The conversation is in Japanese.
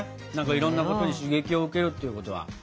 いろんなことに刺激を受けるっていうことは。